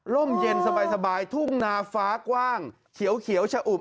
เย็นสบายทุ่งนาฟ้ากว้างเขียวชะอุบ